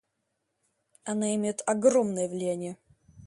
Она имеет огромное влияние.